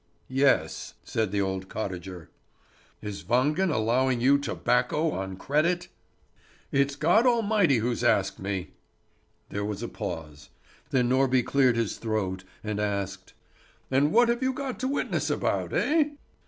"Yes," said the old cottager. "Is Wangen allowing you tobacco on credit?" "It's God Almighty who's asked me." There was a pause. Then Norby cleared his throat, and asked: "And what have you got to witness about, eh?"